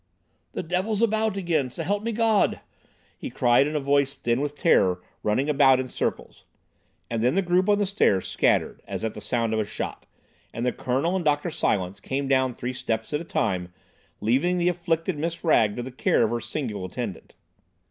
"The devil's about again, s'help me Gawd!" he cried, in a voice thin with terror, running about in circles. And then the group on the stairs scattered as at the sound of a shot, and the Colonel and Dr. Silence came down three steps at a time, leaving the afflicted Miss Wragge to the care of her single attendant.